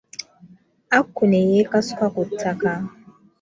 Aku ne yekasuka ku ttaka.